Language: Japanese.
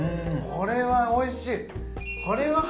これはおいしい！